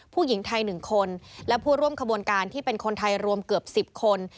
ผู้หญิงไทย๑คนและผู้ร่วมขบวนการที่เป็นคนไทยรวมเกือบ๑๐คน